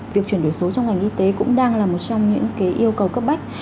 việc chuyển đổi số trong ngành y tế cũng đang là một trong những yêu cầu cấp bách